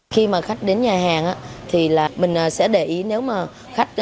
khi mà khách đến nhà hàng thì mình sẽ để ý nếu mà khách lái xe